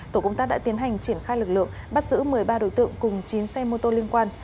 tổ công tác đã tiến hành triển khai lực lượng bắt giữ một mươi ba đối tượng cùng chín xe mô tô liên quan